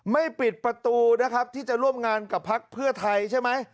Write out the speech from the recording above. ปิดประตูนะครับที่จะร่วมงานกับพักเพื่อไทยใช่ไหม